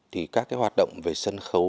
thì các cái hoạt động về sân khấu